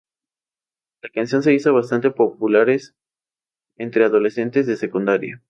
La canción se hizo bastante populares entre adolescentes de secundaria.